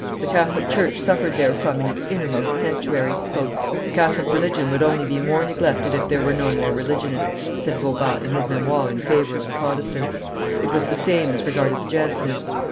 The Catholic church suffered therefrom in its innermost sanctuary. "The Catholic religion would only be more neglected if there were no more religionists," said Vauban, in his Memoire in favor of the Protestants. It was the same as regarded the Jansenists.